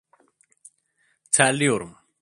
Terliyorum…